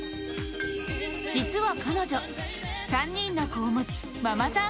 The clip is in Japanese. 実は彼女、３人の子を持つママさん